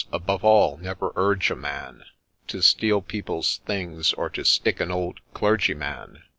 — above all, never urge a man To steal people's things, or to stick an old Clergyman